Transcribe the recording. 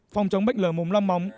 phòng chống bệnh lở mồm long móng